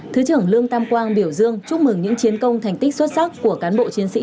thứ trưởng lương tam quang biểu dương chúc mừng những chiến công thành tích xuất sắc của cán bộ chiến sĩ